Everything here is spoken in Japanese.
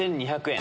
３２００円。